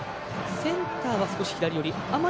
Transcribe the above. センターは少し左寄り。